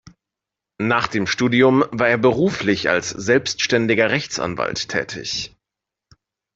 Nach dem Studium war er beruflich als selbständiger Rechtsanwalt tätig.